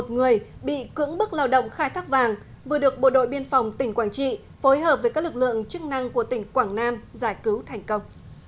một người bị cưỡng bức lao động khai thác vàng vừa được bộ đội biên phòng tỉnh quảng trị phối hợp với các lực lượng chức năng của tỉnh quảng nam giải cứu thành công